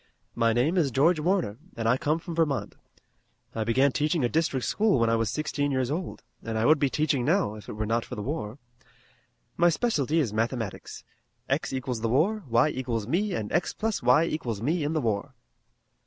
"My name is George Warner, and I come from Vermont. I began teaching a district school when I was sixteen years old, and I would be teaching now, if it were not for the war. My specialty is mathematics. X equals the war, y equals me and x plus y equals me in the war."